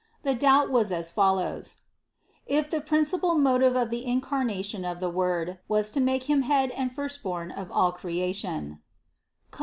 The doubt was as follows: If the principal motive of the incarnation of the Word, was to make him Head and the Firstborn of all creation (Col.